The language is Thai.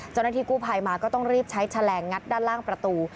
ในที่ทัลไลย์ผ่ายมาก็ต้องรีบใช้แชลงงัดด้านล่างประตู